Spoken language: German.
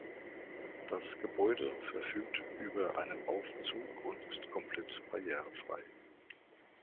Das Gebäude verfügt über einen Aufzug und ist komplett Barrierefrei.